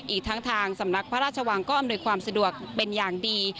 อีกทั้งทางสำนักพระราชวังก็อำนวยความสะดวกเป็นอย่างดี